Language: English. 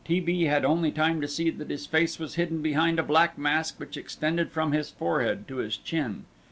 T. B. had only time to see that his face was hidden behind a black mask which extended from his forehead to his chin.